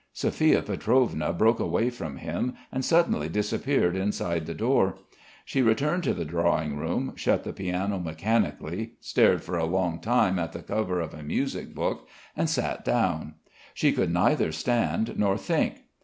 Sophia Pietrovna broke away from him and suddenly disappeared inside the door. She returned to the drawing room, shut the piano mechanically, stared for a long time at the cover of a music book, and sat down. She could neither stand nor think....